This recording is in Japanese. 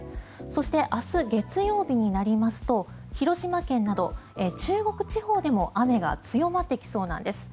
そして、明日月曜日になりますと広島県など中国地方でも雨が強まってきそうなんです。